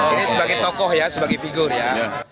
ini sebagai tokoh ya sebagai figur ya